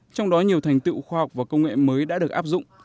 trong đó nhiều thành tựu khoa học và công nghệ mới đã được áp dụng